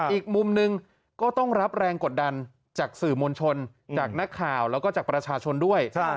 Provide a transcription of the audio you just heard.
อีกมุมหนึ่งก็ต้องรับแรงกดดันจากสื่อมวลชนจากนักข่าวแล้วก็จากประชาชนด้วย